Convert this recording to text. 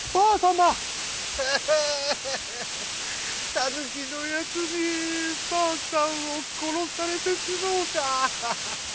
「タヌキのやつにばあさんをころされてしもうた」。